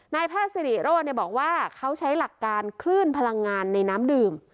แพทย์สิริโรธบอกว่าเขาใช้หลักการคลื่นพลังงานในน้ำดื่ม